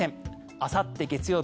あさって月曜日